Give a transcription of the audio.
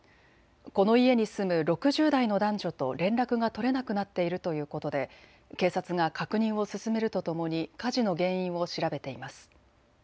この家に住む６０代の男女と連絡が取れなくなっているということで警察が確認を進めるとともに火事の原因を調べています。